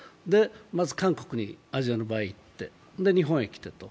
まず韓国にアジアへ行って、日本へ来て。